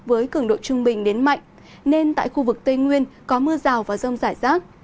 với cường độ trung bình đến mạnh nên tại khu vực tây nguyên có mưa rào và rông rải rác